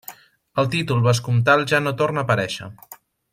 El títol vescomtal ja no torna a aparèixer.